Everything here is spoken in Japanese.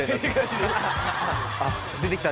あっ出てきた？